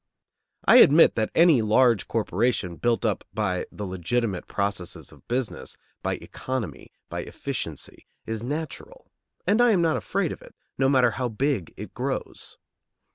I admit that any large corporation built up by the legitimate processes of business, by economy, by efficiency, is natural; and I am not afraid of it, no matter how big it grows.